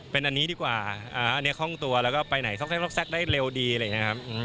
เป็นอันนี้ดีกว่าอันนี้คล่องตัวแล้วก็ไปไหนซักได้เร็วดีเลยนะครับ